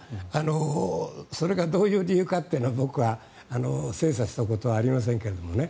それがどういう理由かっていうのは僕は精査したことはありませんけどね。